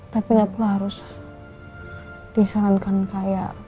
tapi gak perlu harus disalahkan kayak